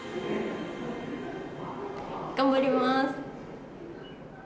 頑張ります。